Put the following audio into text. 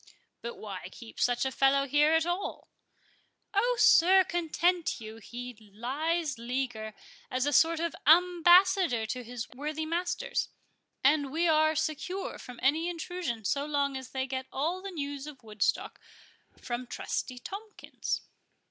"But why keep such a fellow here at all?" "Oh, sir, content you;—he lies leaguer, as a sort of ambassador for his worthy masters, and we are secure from any intrusion so long as they get all the news of Woodstock from Trusty Tomkins."